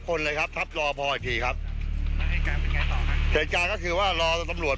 เหตุการณ์เป็นไงต่อครับ